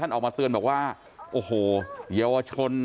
ออกมาเตือนบอกว่าโอ้โหเยาวชน